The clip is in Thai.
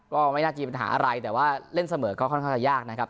ก็ไม่น่าจะมีปัญหาอะไรแต่ว่าเล่นเสมอก็ค่อนข้างจะยากนะครับ